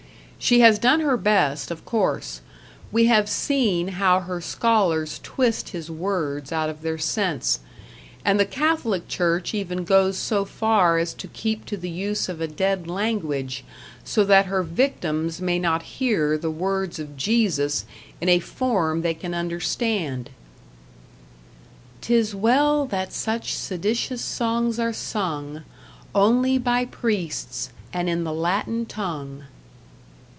She has done her best, of course; we have seen how her scholars twist his words out of their sense, and the Catholic Church even goes so far as to keep to the use of a dead language, so that her victims may not hear the words of Jesus in a form they can understand. 'Tis well that such seditious songs are sung Only by priests, and in the Latin tongue!